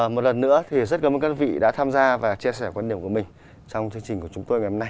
một lần nữa thì rất cảm ơn các vị đã tham gia và chia sẻ quan điểm của mình trong chương trình của chúng tôi ngày hôm nay